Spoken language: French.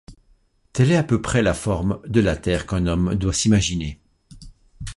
Telle est à peu près la forme de la Terre qu'un homme doit s'imaginer.